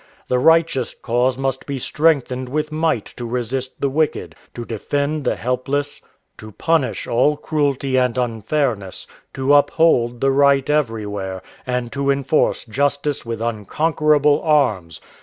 The righteous cause must be strengthened with might to resist the wicked, to defend the helpless, to punish all cruelty and unfairness, to uphold the right everywhere, and to enforce justice with unconquerable arms.